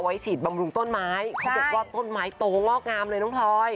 ฉีดบำรุงต้นไม้เขาบอกว่าต้นไม้โตงอกงามเลยน้องพลอย